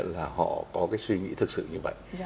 là họ có cái suy nghĩ thực sự như vậy